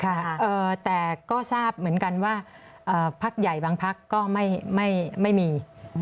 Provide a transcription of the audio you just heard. แต่ก็ทราบเหมือนกันว่าพักใหญ่บางพักก็ไม่มี